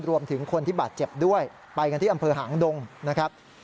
รวมถึงคนที่บาดเจ็บด้วยไปกันที่อำเภอหางดงนะครับ